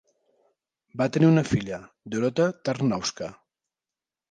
Va tenir una filla, Dorota Tarnowska.